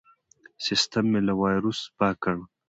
سیستم مې له وایرس پاک کړ.